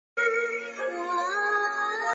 越南男性使用垫名还有区别宗族的功能。